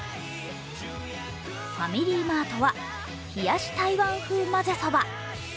ファミリーマートは冷し台湾風まぜそば。